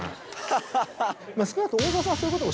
ハハハ。